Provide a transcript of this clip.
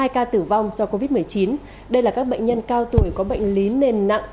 hai ca tử vong do covid một mươi chín đây là các bệnh nhân cao tuổi có bệnh lý nền nặng